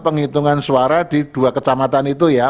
penghitungan suara di dua kecamatan itu ya